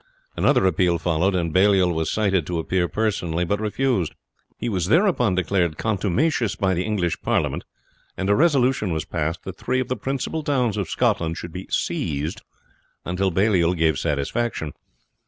Another appeal followed, and Baliol was cited to appear personally, but refused; he was thereupon declared contumacious by the English parliament, and a resolution was passed that three of the principal towns of Scotland should be "seized," until he gave satisfaction.